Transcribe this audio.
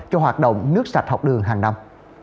cho hoạt động nước sạch học đường hàng năm